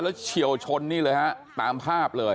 แล้วเฉียวชนนี่เลยฮะตามภาพเลย